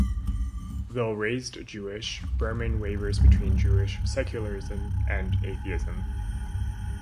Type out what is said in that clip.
Though raised Jewish, Berman wavers between Jewish secularism and Atheism.